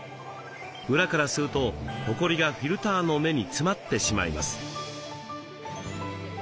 裏から吸うとホコリがフィルターの目に詰まってしまいます。